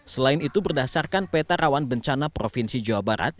selain itu berdasarkan peta rawan bencana provinsi jawa barat